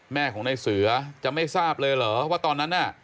แม่ของในเสือจะไม่ทราบเลยเหรอว่าตอนนั้นน่ะ